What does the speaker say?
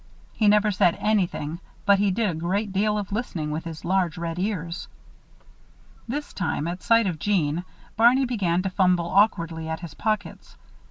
He never said anything, but he did a great deal of listening with his large red ears. This time, at sight of Jeanne, Barney began to fumble awkwardly at his pockets.